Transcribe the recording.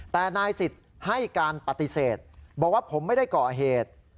แต่นายสิทธิ์ให้การปฏิเสธบอกว่าผมไม่ได้ก่อเหตุ